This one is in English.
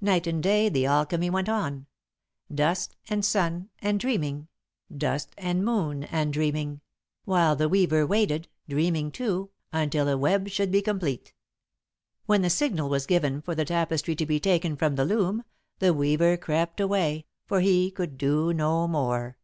Night and day the alchemy went on dust and sun and dreaming, dust and moon and dreaming, while the Weaver waited, dreaming too, until the web should be complete. When the signal was given for the tapestry to be taken from the loom, the Weaver crept away, for he could do no more.